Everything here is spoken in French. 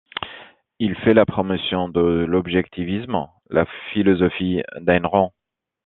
Il fait la promotion de l'objectivisme, la philosophie d'Ayn Rand.